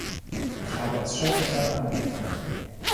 Ich habe es schon einmal angesprochen.